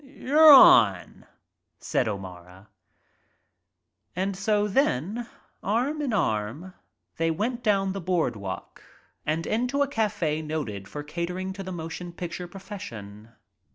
"You're on," said O'Mara. so then, arm in arm, they went down the broad walk and into a cafe noted for catering to the motion picture profession.